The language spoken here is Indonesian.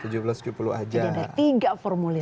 jadi ada tiga formulir